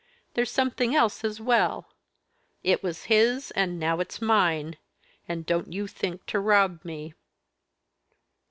There's something else as well. It was his, and now it's mine. And don't you think to rob me."